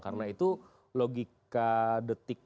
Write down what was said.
karena itu logika detik